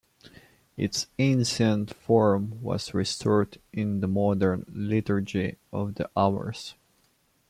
Its ancient form was restored in the modern Liturgy of the Hours.